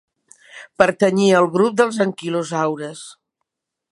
Pertanyia al grup dels anquilosaures.